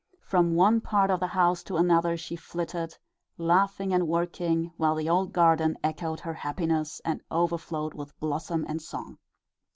From one part of the house to another she flitted, laughing and working, while the old garden echoed her happiness and overflowed with blossom and song.